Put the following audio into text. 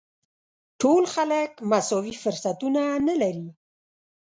ټول خلک مساوي فرصتونه نه لري.